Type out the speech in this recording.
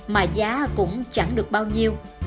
mà giá cũng chẳng được bao nhiêu